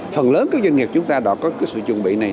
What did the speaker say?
phần lớn các doanh nghiệp chúng ta đã có sự chuẩn bị này